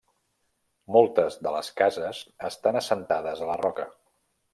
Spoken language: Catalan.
Moltes de les cases estan assentades a la roca.